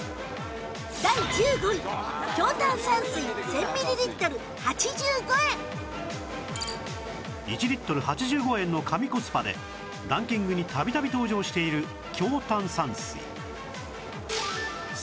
製氷工場で１リットル８５円の神コスパでランキングに度々登場している強炭酸水